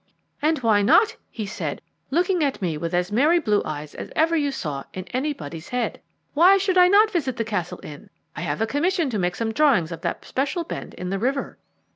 "'And why not?' he said, looking at me with as merry blue eyes as you ever saw in anybody's head. 'Why should I not visit the Castle Inn? I have a commission to make some drawings of that special bend of the river.'